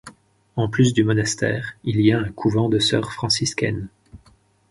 En plus du monastère, il y a un couvent de sœurs franciscaines.